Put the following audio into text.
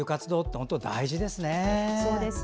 本当に大事ですね。